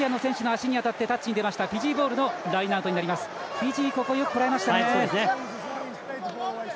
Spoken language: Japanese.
フィジーここは、よくこらえました。